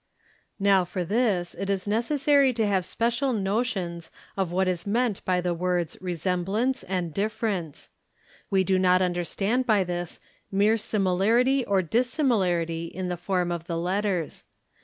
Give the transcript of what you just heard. Now for this it is necessary to have special notions of what is meant by the words ''resemblance'' and " difference'; we do not understand by this mere similarity or dissimilarity in the form of the letters.